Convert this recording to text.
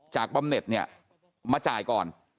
บำเน็ตเนี่ยมาจ่ายก่อน